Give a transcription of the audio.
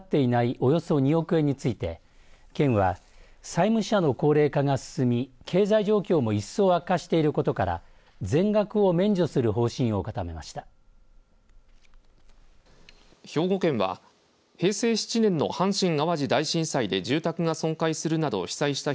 およそ２億について県は債務者の高齢化が進み経済状況も一層、悪化していることから全額を免除する方針を固めました。